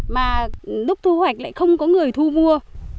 mà lúc thu hoạch lại không có người thu mua